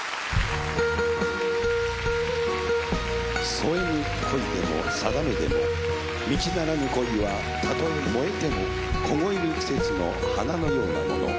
添えぬ恋でも定めでも道ならぬ恋はたとえ燃えても凍える季節の花のようなもの。